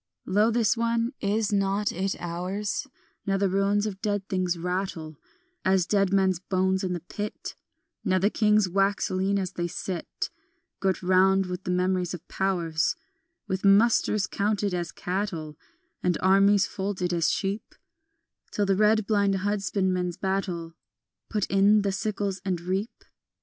Lo, this one, is not it ours, Now the ruins of dead things rattle As dead men's bones in the pit, Now the kings wax lean as they sit Girt round with memories of powers, With musters counted as cattle And armies folded as sheep Till the red blind husbandman battle Put in the sickles and reap?